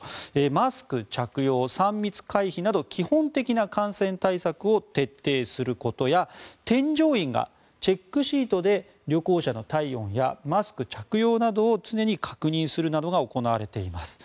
マスク着用、３密回避など基本的な感染対策を徹底することや添乗員がチェックシートで旅行者の体温やマスク着用などを常に確認するなどが行われています。